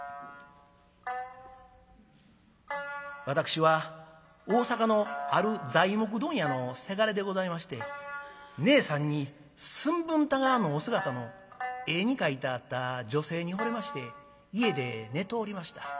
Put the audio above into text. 「私は大阪のある材木問屋のせがれでございましてねえさんに寸分たがわぬお姿の絵に描いてあった女性に惚れまして家で寝ておりました。